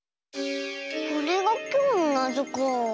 これがきょうのなぞか。